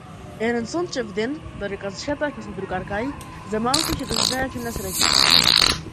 Еден сончев ден, додека се шеташе со другарка ѝ, за малку ќе доживееше несреќа.